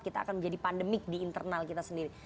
kita akan menjadi pandemik di internal kita sendiri